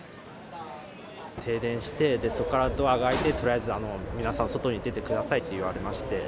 停電して、そこからドアが開いて、とりあえず皆さん、外に出てくださいと言われまして。